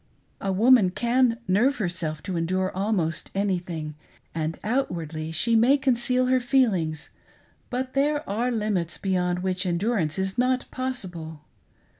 A woman can nerve herself to endure almost anything, and outwardly she may conceal her feelings, but there are limits beyond which endurance is not possible.